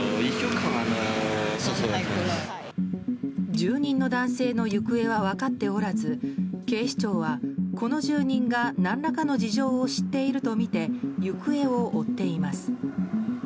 住人の男性の行方は分かっておらず警視庁は、この住人が何らかの事情を知っているとみて行方を追っています。